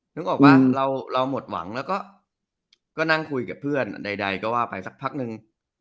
นึกออกว่าเราหมดหวังแล้วก็นั่งคุยกับเพื่อนใดก็ว่าไปสักพักนึง